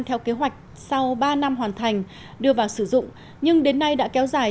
theo kế hoạch sau ba năm hoàn thành đưa vào sử dụng nhưng đến nay đã kéo dài